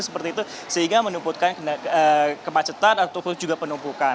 seperti itu sehingga menumputkan kemacetan ataupun juga penumpukan